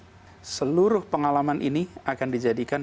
jadi seluruh pengalaman ini akan dijadikan